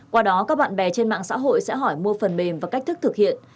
qua đó các bạn bè trên mạng xã hội sẽ hỏi mua phần mềm và cách thức thực hiện